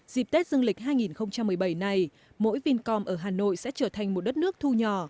dịp tết dương lịch hai nghìn một mươi bảy này mỗi vincom ở hà nội sẽ trở thành một đất nước thu nhỏ